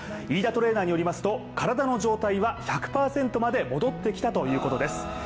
飯田トレーナーによりますと、体の状態は１００％まで戻ってきたということです。